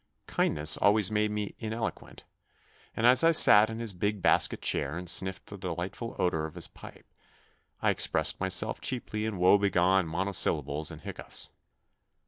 Kindness always made me ineloquent, and as I sat in his big basket chair and sniffed the delightful odour of his pipe, I expressed myself chiefly in woe begone monosyllables and hiccoughs.